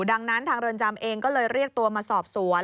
ดังนั้นทางเรือนจำเองก็เลยเรียกตัวมาสอบสวน